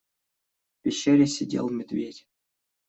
В пещере сидел медведь.